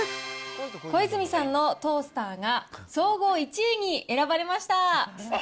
コイズミさんのトースターが総合１位に選ばれました。